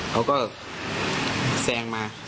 เขาก็แซงมา